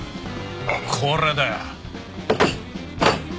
これだよ。